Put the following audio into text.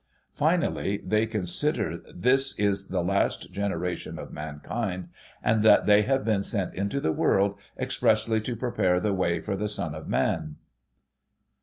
Finally, they consider this is the last generation of mankind, and that they have been sent into the world, expressly to prepare the way for the Son of Man!"